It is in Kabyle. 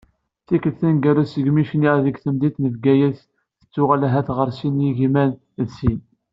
Tikkelt taneggarut, segmi cniɣ deg temdint n Bgayet, tettuɣal ahat ɣer sin yigiman d sin.